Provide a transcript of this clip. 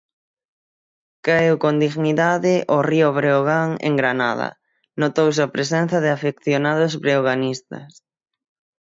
Caeu con dignidade o Río Breogán en Granada, notouse a presenza de afeccionados breoganistas.